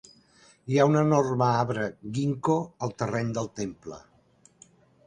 Hi ha un enorme arbre ginkgo al terreny del temple.